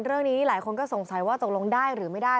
เรื่องนี้หลายคนก็สงสัยว่าตกลงได้หรือไม่ได้